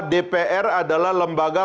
dpr adalah lembaga